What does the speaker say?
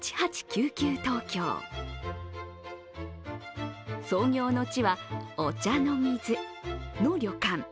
東京創業の地は御茶ノ水の旅館。